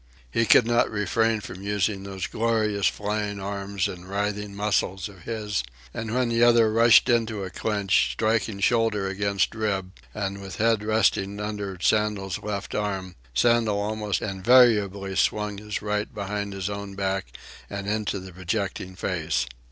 He could not refrain from using those glorious flying arms and writhing muscles of his, and when the other rushed into a clinch, striking shoulder against ribs, and with head resting under Sandel's left arm, Sandel almost invariably swung his right behind his own back and into the projecting face.